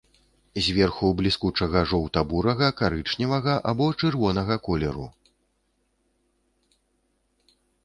Зверху бліскучага жоўта-бурага, карычневага або чырвонага колеру.